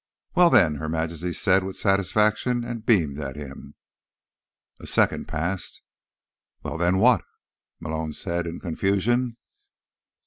"Well, then," Her Majesty said with satisfaction, and beamed at him. A second passed. "Well, then, what?" Malone said in confusion.